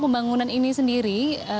pembangunan ini sendiri